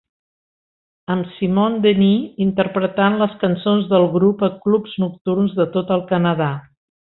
Amb Simone Denny interpretant les cançons del grup a clubs nocturns de tot el Canadà.